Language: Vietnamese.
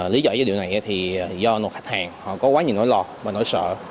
lý do dưới điều này thì do khách hàng họ có quá nhiều nỗi lo và nỗi sợ